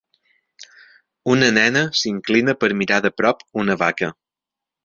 Una nena s'inclina per mirar de prop una vaca.